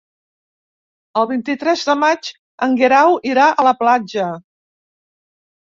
El vint-i-tres de maig en Guerau irà a la platja.